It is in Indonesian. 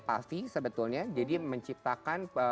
pavi sebetulnya jadi menciptakan